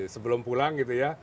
sebelum pulang gitu ya